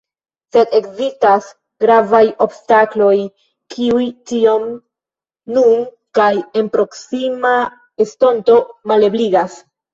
Sed ekzistas gravaj obstakloj, kiuj tion nun kaj en proksima estonto malebligas.